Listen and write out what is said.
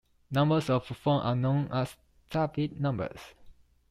Numbers of the form are known as Thabit numbers.